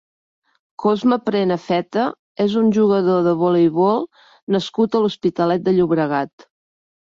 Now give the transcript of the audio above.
Cosme Prenafeta és un jugador de voleibol nascut a l'Hospitalet de Llobregat.